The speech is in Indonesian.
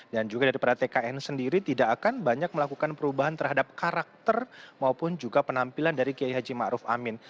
dan juga daripada tkn sendiri tidak akan banyak melakukan perubahan terhadap karakter maupun juga penampilan dari kiai haji ma'ruf amin